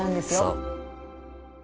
そう。